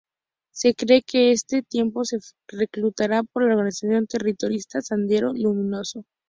Se cree que en este tiempo fue reclutada por la organización terrorista Sendero Luminoso.